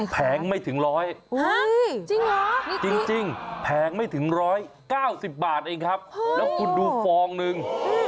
แผงไม่ถึง๑๐๐จริงแผงไม่ถึง๑๐๐๙๐บาทเองครับแล้วคุณดูฟองนึง